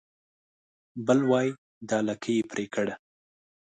بل وای دا لکۍ يې پرې کړه